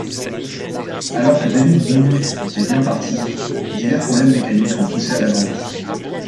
Alors que David Menut était bien parti, divers problèmes mécaniques l'ont poussé à l'abandon.